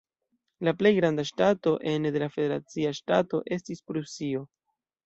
La plej granda ŝtato ene de la federacia ŝtato estis Prusio.